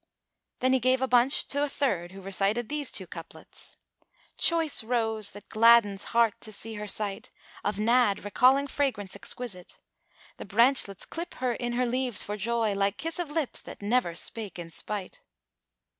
Then he gave a bunch to a third who recited these two couplets, "Choice Rose that gladdens heart to see her sight; * Of Nadd recalling fragrance exquisite. The branchlets clip her in her leaves for joy, * Like kiss of lips that never spake in spite."